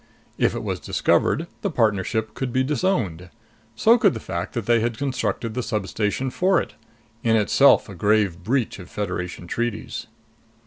If it was discovered, the partnership could be disowned. So could the fact that they had constructed the substation for it in itself a grave breach of Federation treaties.